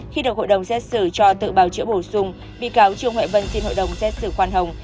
khi được hội đồng xét xử cho tự bào chữa bổ sung bị cáo trương huệ vân xin hội đồng xét xử khoan hồng